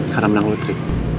karena menang lotre